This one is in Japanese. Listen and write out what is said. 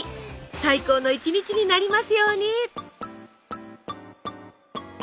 最高の一日になりますように！